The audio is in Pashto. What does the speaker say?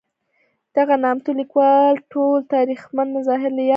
دغه نامتو لیکوال ټول تاریخمن مظاهر له یاده باسي.